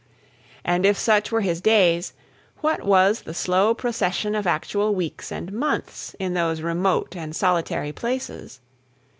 And if such were his days, what was the slow procession of actual weeks and months in those remote and solitary places?